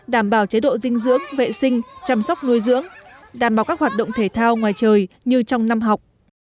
đảm bảo chế độ dinh dưỡng vệ sinh chăm sóc nuôi dưỡng đảm bảo các hoạt động thể thao ngoài trời như trong năm học